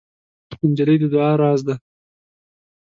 نجلۍ د دعا راز ده.